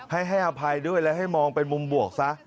ให้ให้อภัยด้วยและให้มองเป็นมุมบวกซะ